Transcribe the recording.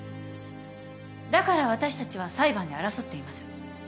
だから私たちは裁判で争っています。